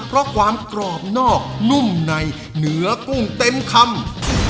เพราะความกรอบนอกนุ่มในเนื้อกุ้งเต็มคำ